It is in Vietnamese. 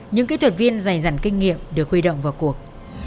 những kỹ thuật viên dày dặn kinh nghiệm được huy động vào cuộc